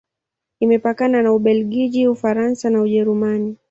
Imepakana na Ubelgiji, Ufaransa na Ujerumani.